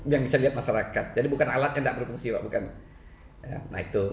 yang bisa lihat masyarakat jadi bukan alat yang tidak berfungsi